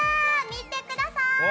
見てください